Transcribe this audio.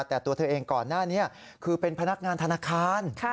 แต่ตัวเธอเองก่อนหน้านี้คือเป็นพนักงานธนาคาร